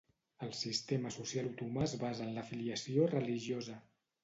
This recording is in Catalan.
El sistema social otomà es basa en l'afiliació religiosa.